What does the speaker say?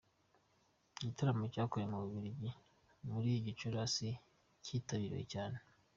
Igitaramo yakoreye mu Bubligi muri Gicurasi cyaritabiriwe cyane.